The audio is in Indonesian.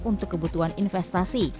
untuk kebutuhan investasi